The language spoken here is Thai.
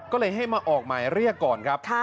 ก็เลยให้มาออกหมายเรียกก่อนครับ